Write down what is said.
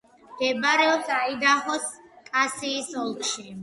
მდებარეობს აიდაჰოს შტატში, კასიის ოლქში.